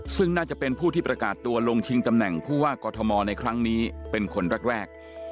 ซึ่งน่าจะเป็นผู้ที่ประกาศตัวลงชิงตำแหน่งผู้ว่ากอทมในครั้งนี้เป็นคนแรก